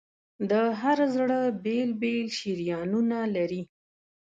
د هر زړه بېل بېل شریانونه لري.